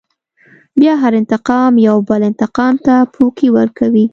بيا هر انتقام يوه بل انتقام ته پوکی ورکوي.